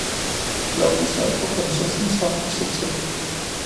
Loppen sad på prinsessens hånd og så til